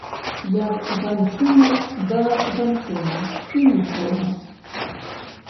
Як жанчына да жанчыны, і нічога.